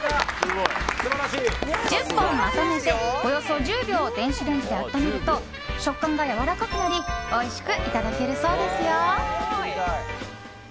１０本まとめて、およそ１０秒電子レンジで温めると食感がやわらかくなりおいしくいただけるそうですよ。